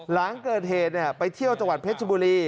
หลังเกิดเหตุไปเที่ยวจังหวัดเพชรบุรี